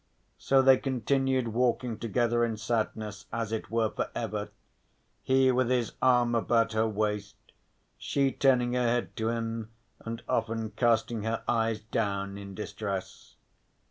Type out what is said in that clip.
So they continued walking together in sadness as it were for ever, he with his arm about her waist, she turning her head to him and often casting her eyes down in distress.